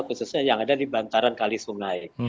khususnya yang ada di bantaran kalisung naik